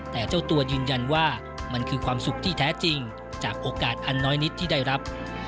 แต่เจ้าตัวยืนยันว่ามันคือความสุขที่แท้จริงจากโอกาสอันน้อยนิดที่ได้รับ